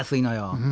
うん。